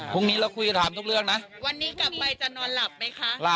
พรุ่งนี้เราถามทุกเรื่องนะ